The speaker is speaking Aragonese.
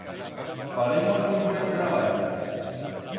Faremos un buen rabanyo.